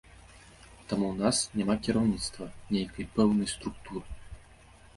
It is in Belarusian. Таму ў нас няма кіраўніцтва, нейкай пэўнай структуры.